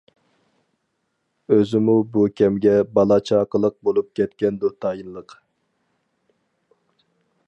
ئۆزىمۇ بۇ كەمگە بالا- چاقىلىق بولۇپ كەتكەندۇ تايىنلىق.